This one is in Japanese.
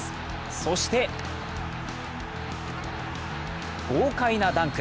そして豪快なダンク。